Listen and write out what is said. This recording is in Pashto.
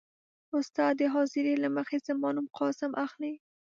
. استاد د حاضرۍ له مخې زما نوم «قاسم» اخلي.